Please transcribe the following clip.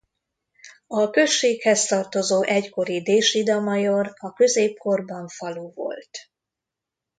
A községhez tartozó egykori Déshida-major a középkorban falu volt.